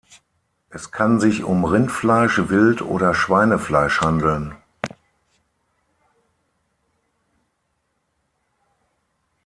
Es kann sich um Rindfleisch, Wild oder Schweinefleisch handeln.